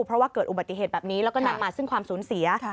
เพราะว่าเกิดอุบัติเหตุแบบนี้แล้วก็นำมาซึ่งความสูญเสีย